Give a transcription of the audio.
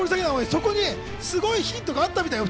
そこにすごいヒントがあったみたいよ。